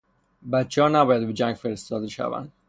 بچهها نباید به جنگ فرستاده شوند.